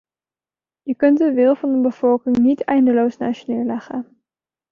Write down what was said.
Je kunt de wil van de bevolking niet eindeloos naast je neerleggen.